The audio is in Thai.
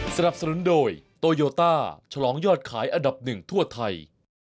สนับสนุนโดยโตโยต้าฉลองยอดขายอันดับหนึ่งทั่วไทย